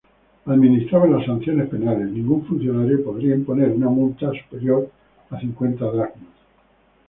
Administraban las sanciones penales, ningún funcionario podría imponer una multa superior a cincuenta dracmas.